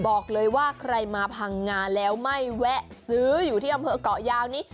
บอกเลยว่าใครมาพังงาแล้วไม่แวะซื้ออยู่ที่อำเภอกเกาะยาวนี้